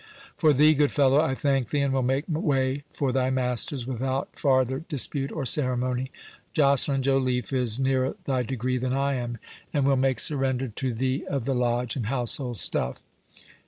—For thee, good fellow, I thank thee, and will make way for thy masters without farther dispute or ceremony. Joceline Joliffe is nearer thy degree than I am, and will make surrender to thee of the Lodge and household stuff.